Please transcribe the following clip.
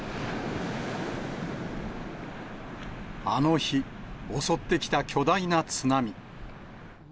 あの日、襲ってきた巨大な津波。